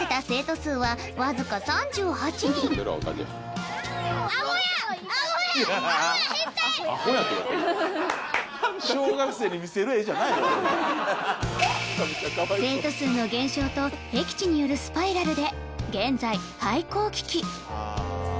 生徒数の減少とへき地によるスパイラルで現在廃校危機